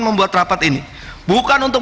membuat rapat ini bukan untuk